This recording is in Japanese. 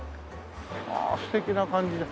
ああ素敵な感じで。